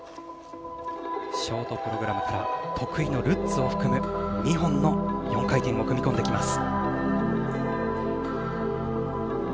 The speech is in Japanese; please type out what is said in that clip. ショートプログラムから得意のルッツを含む２本の４回転を組み込んできます。